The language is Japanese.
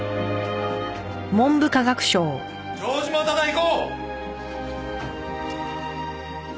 城島忠彦！